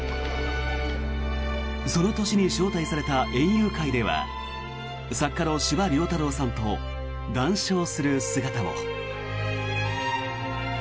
その年に招待された園遊会では作家の司馬遼太郎さんと談笑する姿も。